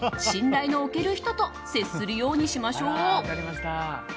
信頼の置ける人と接するようにしましょう。